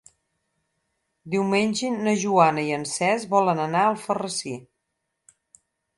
Diumenge na Joana i en Cesc volen anar a Alfarrasí.